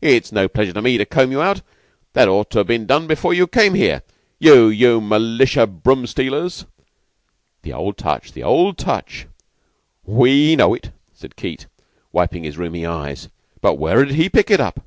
It's no pleasure to me to comb you out. That ought to have been done before you came here, you you militia broom stealers." "The old touch the old touch. We know it," said Keyte, wiping his rheumy eyes. "But where did he pick it up?"